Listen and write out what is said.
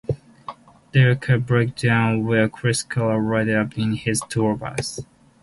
Their car breaks down, where Chris Keller rides up in his tour bus.